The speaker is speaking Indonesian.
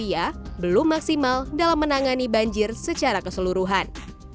tidak akan berhasil dalam menangani banjir secara keseluruhan